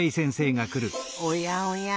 おやおや。